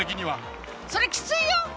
そりゃきついよ。